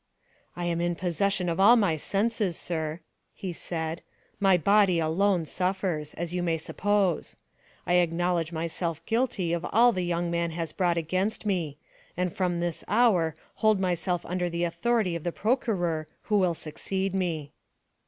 "I am in possession of all my senses, sir," he said; "my body alone suffers, as you may suppose. I acknowledge myself guilty of all the young man has brought against me, and from this hour hold myself under the authority of the procureur who will succeed me."